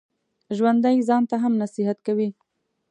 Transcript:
ژوندي ځان ته هم نصیحت کوي